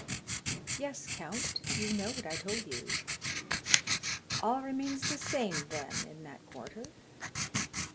"Yes, count, you know what I told you?" "All remains the same, then, in that quarter?"